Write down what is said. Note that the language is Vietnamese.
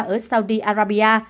ở saudi arabia